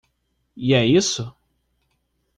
E é isso?